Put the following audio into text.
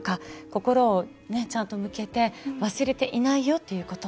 心をちゃんと向けて忘れていないよと言うこと。